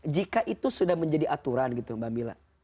jika itu sudah menjadi aturan gitu mbak mila